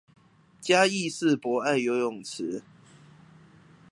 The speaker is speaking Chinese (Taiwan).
嘉義市博愛游泳池